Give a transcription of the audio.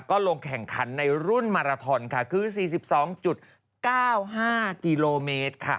ก็ลงแข่งขันในรุ่นมาราทอนค่ะคือ๔๒๙๕กิโลเมตรค่ะ